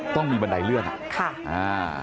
ต้องมีบันไดเลือดนะฮะ